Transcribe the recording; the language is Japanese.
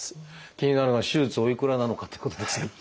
気になるのは手術おいくらなのかってことですが。